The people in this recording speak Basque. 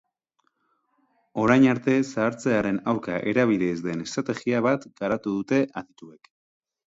Orain arte zahartzearen aurka erabili ez den estrategia bat garatu dute adituek.